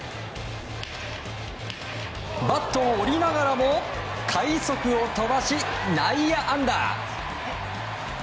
バットを折りながらも快足を飛ばし内野安打。